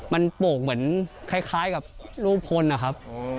มันโป่งเหมือนคล้ายกับรูปคนนะครับ